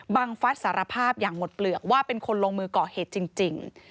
ฟัสสารภาพอย่างหมดเปลือกว่าเป็นคนลงมือก่อเหตุจริง